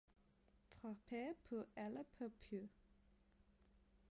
Træpærer på alle paraplyer